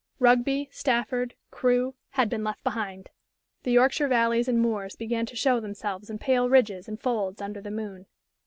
Rugby, Stafford, Crewe had been left behind. The Yorkshire valleys and moors began to show themselves in pale ridges and folds under the moon.